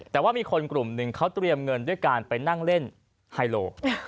แต่ว่ามีคนกลุ่มหนึ่งเขาเตรียมเงินด้วยการไปนั่งเล่นไฮโล